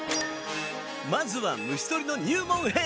まずは虫とりの入門編！